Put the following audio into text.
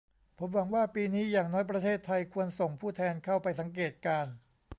ผมหวังว่าปีนี้อย่างน้อยประเทศไทยควรส่งผู้แทนเข้าไปสังเกตุการณ์